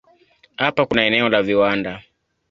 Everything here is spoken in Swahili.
Hapa kuna eneo la viwanda.